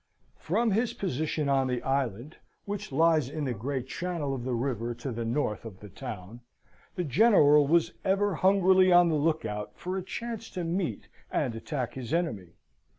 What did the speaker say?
From his position on the island, which lies in the great channel of the river to the north of the town, the General was ever hungrily on the look out for a chance to meet and attack his enemy.